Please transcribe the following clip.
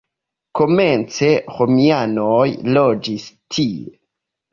Komence romianoj loĝis tie.